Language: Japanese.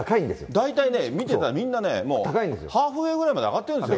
大体ね、見てたらみんなね、もう、ハーフウエーぐらいまで上がってるんですね。